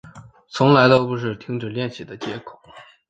从来都不是停止练习的借口